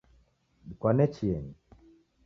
Dikwane chienyi